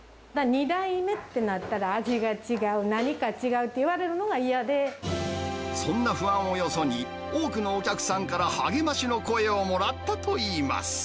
２代目ってなったら、味が違う、そんな不安をよそに、多くのお客さんから励ましの声をもらったといいます。